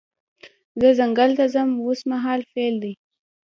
زه ځنګل ته ځم اوس مهال فعل دی.